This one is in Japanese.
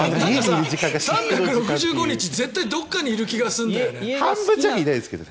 ３６５日絶対どこかにいる気がするんですけどね。